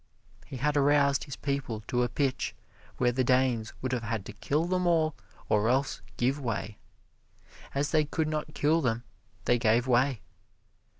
He had aroused his people to a pitch where the Danes would have had to kill them all, or else give way. As they could not kill them they gave way.